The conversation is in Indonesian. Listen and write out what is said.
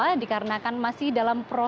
nah dikarenakan masih dalam perjalanan